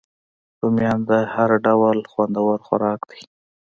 رومیان د هر ځای خوندور خوراک دی